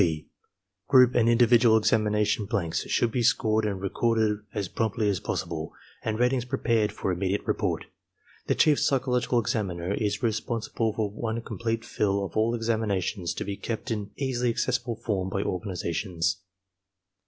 (6) Group and individual examination blanks should be scored and recorded as promptly as possible, and ratings prepared for immediate report. The chief psychological examiner is respon sible for one complete file of all examinations, to be kept in easily accessible form by organizations.